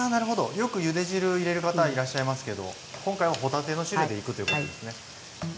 よくゆで汁入れる方いらっしゃいますけど今回は帆立ての汁でいくっていうことですね。